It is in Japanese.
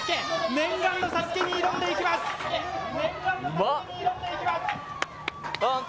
念願のＳＡＳＵＫＥに挑んでいきますうまっ！